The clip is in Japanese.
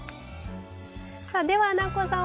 さあでは南光さん